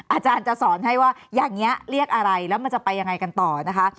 อาจารย์จะสอนให้ว่าอย่างนี้เรียกอะไรแล้วมันจะไปยังไงกันต่อนะคะ